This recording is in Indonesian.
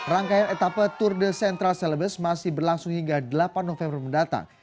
rangkaian etapa tour de centra celebes masih berlangsung hingga delapan november mendatang